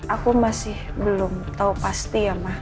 aku masih belum tahu pasti ya mah